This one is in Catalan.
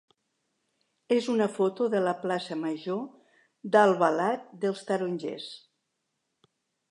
és una foto de la plaça major d'Albalat dels Tarongers.